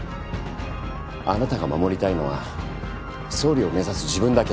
あなたが守りたいのは総理を目指す自分だけ。